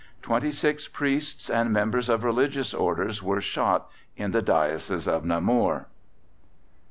Twenty six priests and members of religious orders were shot in the diocese of Namur.